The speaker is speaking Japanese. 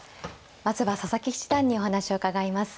まずは佐々木七段にお話を伺います。